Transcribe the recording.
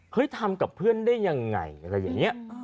เป็นไงทำกับเพื่อนได้อย่างไร